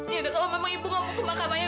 ya udah kalau memang ibu nggak mau ke makam saya